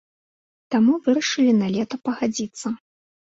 Таму вырашылі на лета пагадзіцца.